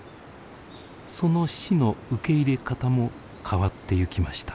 その死の受け入れ方も変わってゆきました。